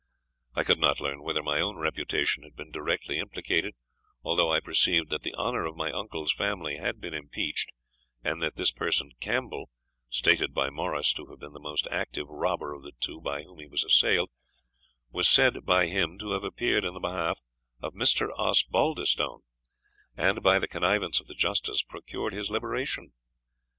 I could not learn whether my own reputation had been directly implicated, although I perceived that the honour of my uncle's family had been impeached, and that this person Campbell, stated by Morris to have been the most active robber of the two by whom he was assailed, was said by him to have appeared in the behalf of a Mr. Osbaldistone, and by the connivance of the Justice procured his liberation.